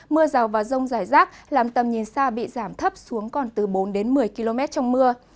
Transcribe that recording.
mưa rào và rông rải rác làm tầm nhìn xa bị giảm thấp xuống còn từ bốn đến một mươi km trong mưa